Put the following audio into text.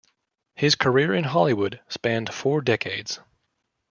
His career in Hollywood spanned four decades.